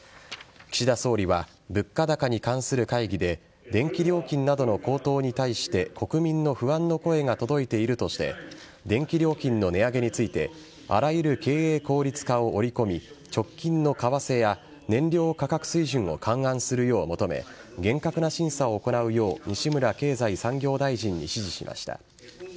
岸田総理は物価高に関する会議で電気料金などの高騰に対して国民の不安の声が届いているとして電気料金の値上げについてあらゆる経営効率化を織り込み直近の為替や燃料価格水準を勘案するよう求め厳格な審査を行うよう西村経済産業大臣に指示しました。